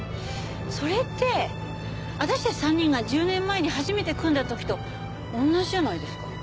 それって私たち３人が１０年前に初めて組んだ時と同じじゃないですか。